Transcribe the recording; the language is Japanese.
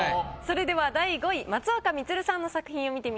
それでは第５位松岡充さんの作品を見てみましょう。